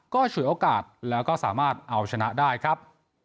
ก็ฉวยโอกาสแล้วก็สามารถเอาชนะได้ครับ